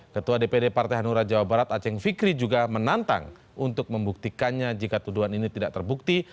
ketua dpd partai hanura jawa barat aceh fikri juga menantang untuk membuktikannya jika tuduhan ini tidak terbukti